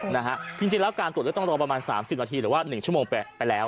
การตรวจเลือดต้องรอประมาณ๓๐นาทีหรือว่า๑ชั่วโมงไปแล้ว